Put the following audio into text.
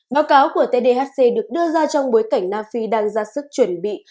báo cáo của tdhc được đưa ra trong bối cảnh nam phi đang ra sức chuẩn bị